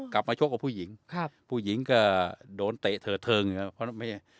กลับมาชกกับผู้หญิงครับผู้หญิงก็โดนเตะเถิดเทิงเพราะว่าไม่